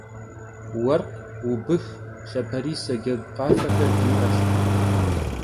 Vuerkh, vubıx, lhaperise cegu khafexer di'eş.